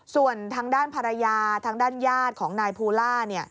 ส่วนทางด้านภรรยาทางด้านญาติของนายภูล่า